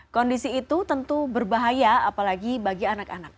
kondisi itu tentu berbahaya apalagi bagi anak anak